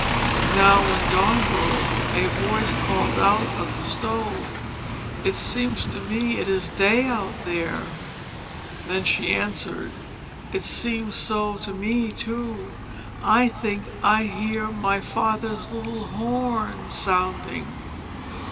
Now, when dawn broke, a voice called out of the Stove, "It seems to me it is day out there." Then she answered, "It seems so to me too; I think I hear my father's little horn sounding."